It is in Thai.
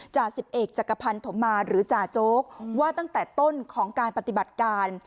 จ่าสิบเอกจักรพันธมมาหรือจ่าโจ๊กว่าตั้งแต่ต้นของการปฏิบัติการ